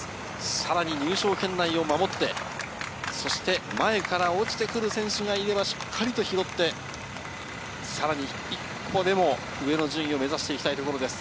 さらに入賞圏内を守って、前から落ちてくる選手がいればしっかり拾って、さらに一歩でも上の順位を目指していきたいところです。